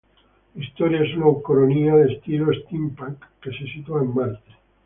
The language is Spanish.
La historia es una ucronía de estilo steampunk que se sitúa en Marte.